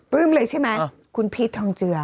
เริ่มเลยใช่ไหมคุณพีชทองเจือ